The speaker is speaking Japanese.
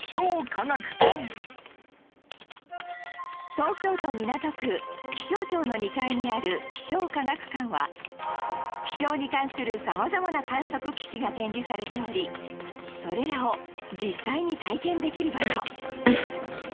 東京都港区気象庁の２階にある気象科学館は気象に関する様々な観測機器が展示されておりそれらを実際に体験できる場所